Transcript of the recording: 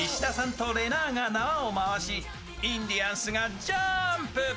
とれなぁが縄を回し、インディアンスがジャンプ。